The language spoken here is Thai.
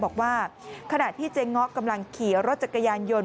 บอกว่าขณะที่เจ๊ง้อกำลังขี่รถจักรยานยนต์